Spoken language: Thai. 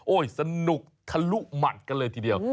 โอ๊ยสนุกทะลุมันกันเลยทีเดียว